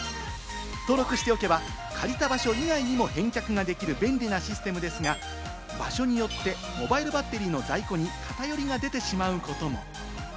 登録しておけば借りた場所以外にも返却ができる便利なシステムですが、場所によってモバイルバッテリーの在庫に偏りが出てしまうことも。